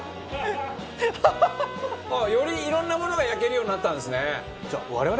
ハハハハ！よりいろんなものが焼けるようになったんですね。